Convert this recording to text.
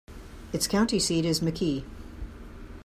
Its county seat is McKee.